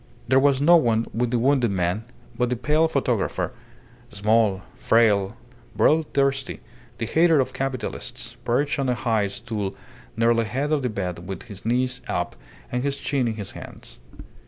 There was no one with the wounded man but the pale photographer, small, frail, bloodthirsty, the hater of capitalists, perched on a high stool near the head of the bed with his knees up and his chin in his hands.